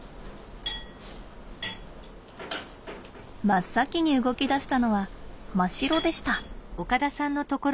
真っ先に動き出したのはマシロでした。